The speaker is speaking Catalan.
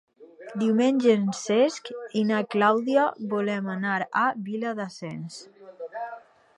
Diumenge en Cesc i na Clàudia volen anar a Viladasens.